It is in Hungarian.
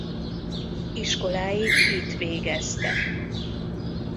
Iskoláit itt végezte.